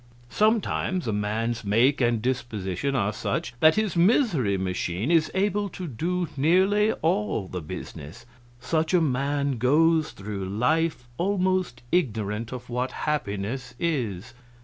Sometimes a man's make and disposition are such that his misery machine is able to do nearly all the business. Such a man goes through life almost ignorant of what happiness is.